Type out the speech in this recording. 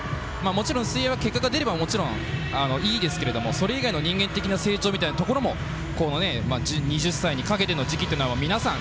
もちろん水泳は結果が出ればいいですけれども、それ以外の人間的な成長っていうところも２０歳にかけての時期は皆さん